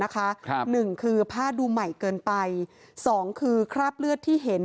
หนึ่งคือผ้าดูใหม่เกินไปสองคือคราบเลือดที่เห็น